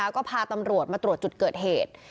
ก็พาตำรวจมาตรวจจุดเกิดเหตุ